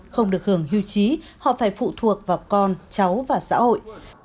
không được hưởng hưu trí họ phải phụ thuộc vào con cháu và xã hội